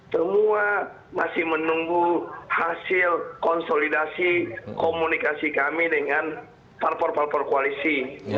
semua masih menunggu hasil konsolidasi komunikasi kami dengan parpor palpor koalisi